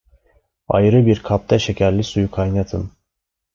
Ayrı bir kapta şekerli suyu kaynatın.